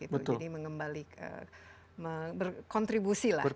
jadi mengembali berkontribusi lah